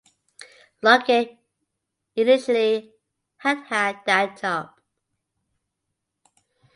Lockyer initially had had that job.